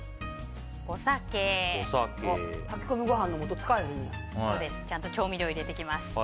炊き込みご飯のもとちゃんと調味料を入れていきます。